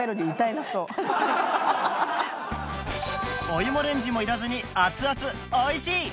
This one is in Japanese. お湯もレンジもいらずに熱々おいしい！